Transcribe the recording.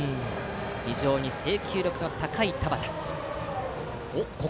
非常に制球力の高い、田端。